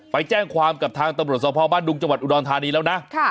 ไปแจ้งความกับทางตำรวจสภบ้านดุงจังหวัดอุดรธานีแล้วนะ